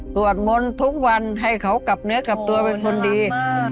มนต์ทุกวันให้เขากลับเนื้อกลับตัวเป็นคนดี